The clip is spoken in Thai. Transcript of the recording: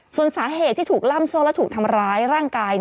ส่วนสาเหตุที่ถูกล่ำโซ่และถูกทำร้ายร่างกาย